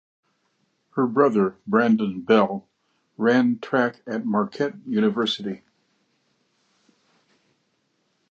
Her brother Brandon Bell ran track at Marquette University.